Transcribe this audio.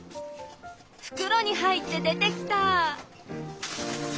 ふくろに入って出てきた！